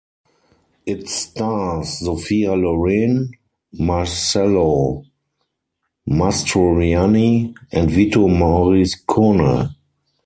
It stars Sophia Loren, Marcello Mastroianni and Vito Moricone.